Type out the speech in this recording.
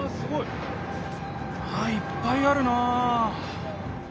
いっぱいあるな！